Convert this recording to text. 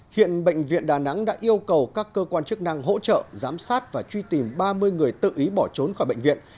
hiện bệnh viện đà nẵng đã yêu cầu các cơ quan chức năng hỗ trợ giám sát và truy tìm ba mươi người tự ý bỏ trốn khỏi bệnh viện